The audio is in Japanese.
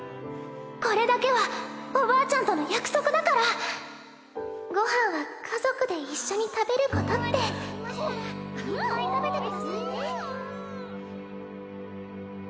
これだけはおばあちゃんとのご飯は家族で一緒に食べることっていっぱい食べてくださいね。